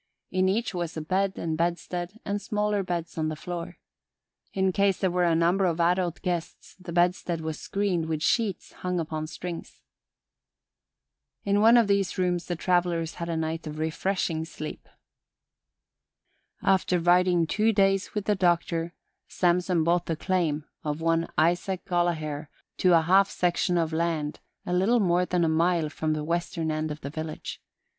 In each was a bed and bedstead and smaller beds on the floor. In case there were a number of adult guests the bedstead was screened with sheets hung upon strings. In one of these rooms the travelers had a night of refreshing sleep. After riding two days with the Doctor, Samson bought the claim of one Isaac Gollaher to a half section of land a little more than a mile from the western end of the village.